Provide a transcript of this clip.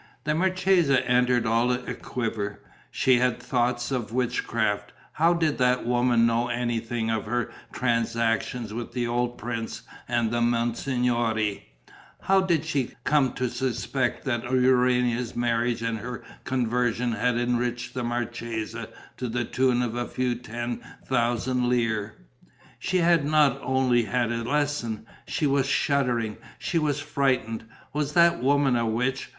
The marchesa entered all aquiver: she had thoughts of witchcraft. How did that woman know anything of her transactions with the old prince and the monsignori? How did she come to suspect that Urania's marriage and her conversion had enriched the marchesa to the tune of a few ten thousand lire? She had not only had a lesson: she was shuddering, she was frightened. Was that woman a witch?